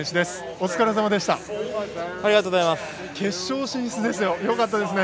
お疲れさまでした。